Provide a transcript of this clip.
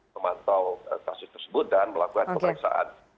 memantau kasus tersebut dan melakukan pemeriksaan